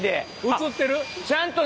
映ってる？